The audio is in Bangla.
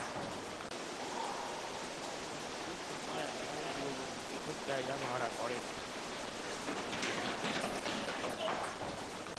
স্ত্রীর জন্য এক মাইল দূরবর্তী পৃথক জায়গা ভাড়া করেন।